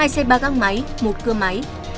hai xe ba găng máy một cưa máy